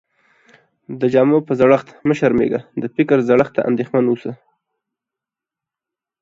د جامو په زړښت مه شرمېږٸ، د فکر زړښت ته انديښمن سې.